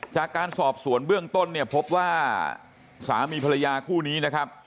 จากการสอบสวนเบื้องต้นเนี่ยพบว่าสามีภรรยาคู่นี้นะครับ